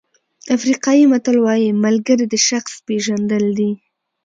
افریقایي متل وایي ملګري د شخص پېژندل دي.